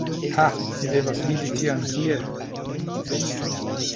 Ha mi devas vidi tion, kie?